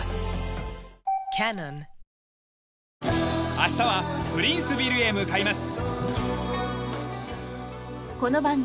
明日はプリンスヴィルへ向かいます。